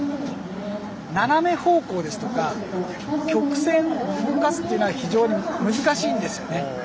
斜め方向ですとか曲線を動かすっていうのは非常に難しいんですよね。